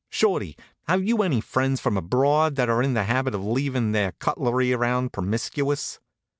Shorty, have you any friends from abroad that are in the habit of leaving their cutlery around promiscuous?"